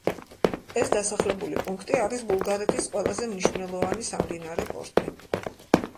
ეს დასახლებული პუნქტი არის ბულგარეთის ყველაზე მნიშვნელოვანი სამდინარე პორტი.